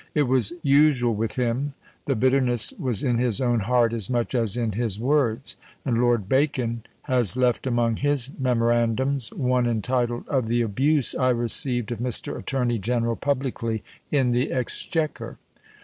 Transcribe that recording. It was usual with him; the bitterness was in his own heart as much as in his words; and Lord Bacon has left among his memorandums one entitled, "Of the abuse I received of Mr. Attorney General publicly in the Exchequer."